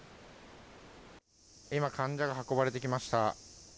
今、患者が運ばれてきました。